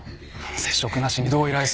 接触なしにどう依頼する？